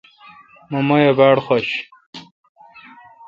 می ماین باڑ حوش